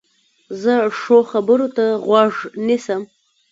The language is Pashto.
زه ښو خبرو ته غوږ نیسم.